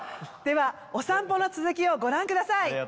ではお散歩の続きをご覧ください。